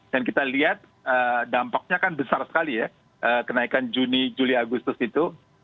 dan kita lihat dampaknya kan besar sekali ya kenaikan juni juli agustus itu